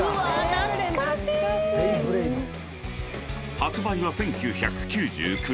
［発売は１９９９年］